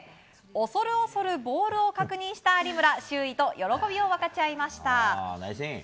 恐る恐るボールを確認した有村周囲と喜びを分かち合いました。